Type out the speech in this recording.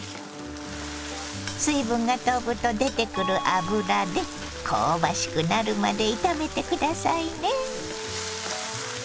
水分が飛ぶと出てくる脂で香ばしくなるまで炒めて下さいね。